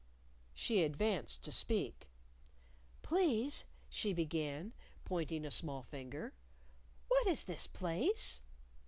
She advanced to speak. "Please," she began, pointing a small finger, "what is this place?"